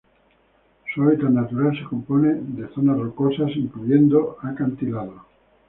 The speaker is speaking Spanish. Su hábitat natural se compone de zonas rocosas, incluyendo acantilados.